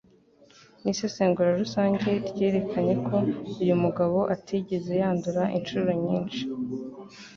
n’ Isesengura rusange ryerekanye ko uyu mugabo atigeze yandura inshuro nyinshi